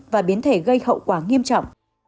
và biến thể gây hậu quả nghiêm trọng